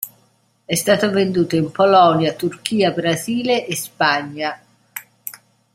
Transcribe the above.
È stato venduto in Polonia, Turchia, Brasile e Spagna.